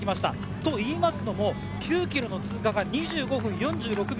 というのも９ｋｍの通過が２５分４６秒。